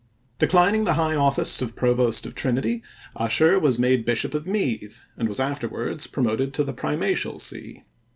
Declining the high office of provost of Trinity, Ussher was made bishop of Meath and was afterwards promoted to the primatial see.